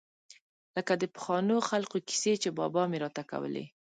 لکه د پخوانو خلقو کيسې چې بابا مې راته کولې.